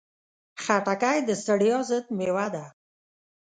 خټکی د ستړیا ضد مېوه ده.